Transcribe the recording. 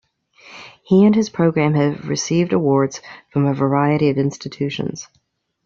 He and his program have received awards from a variety of institutions.